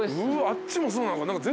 あっちもそうなのか。